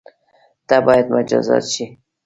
ته بايد مجازات شی